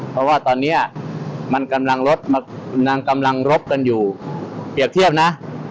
เพราะว่าตอนนี้มันกำลังรบกันอยู่เปรียบเทียบนะ